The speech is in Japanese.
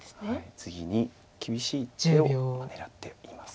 次に厳しい１手を狙っています。